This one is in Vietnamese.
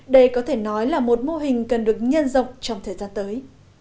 đây có thể nói là một mô hình cần được nhân rộng trong thời gian tới